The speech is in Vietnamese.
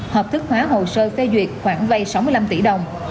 hợp thức hóa hồ sơ phê duyệt khoảng vây sáu mươi năm tỷ đồng